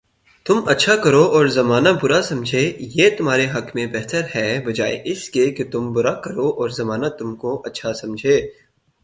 تم اچھا کرو اور زمانہ برا سمجھے، یہ تمہارے حق میں بہتر ہے بجائے اس کے تم برا کرو اور زمانہ تم کو اچھا سمجھے